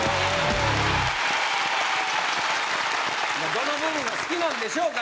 どの部分が好きなんでしょうか。